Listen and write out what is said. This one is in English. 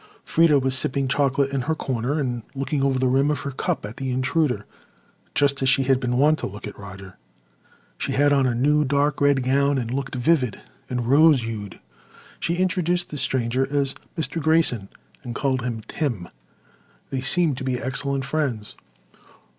Freda was sipping chocolate in her corner and looking over the rim of her cup at the intruder just as she had been wont to look at Roger. She had on a new dark red gown and looked vivid and rose hued. She introduced the stranger as Mr. Grayson and called him Tim. They seemed to be excellent friends.